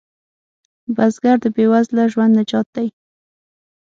بزګر د بې وزله ژوند نجات دی